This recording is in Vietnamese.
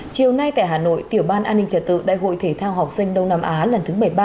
chiều nay tại hà nội tiểu ban an ninh trật tự đại hội thể thao học sinh đông nam á lần thứ một mươi ba